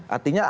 nah ini bagus